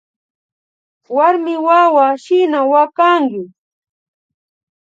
Warmiwawa shina wakanki